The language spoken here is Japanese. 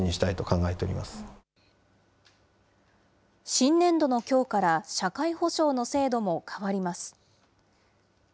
新年度のきょうから、社会保障の制度も変わります。